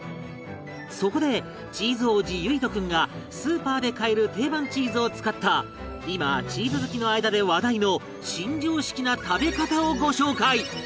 そこでチーズ王子優惟人君がスーパーで買える定番チーズを使った今チーズ好きの間で話題の新常識な食べ方をご紹介